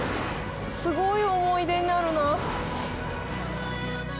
すごい思い出になるな。